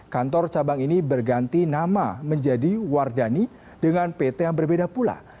kantor cabang ini berganti nama menjadi wardani dengan pt yang berbeda pula